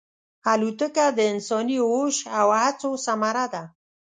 الوتکه د انساني هوش او هڅو ثمره ده.